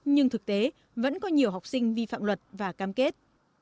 nhưng thực tế vẫn có nhiều học sinh vi phạm luật và cam kết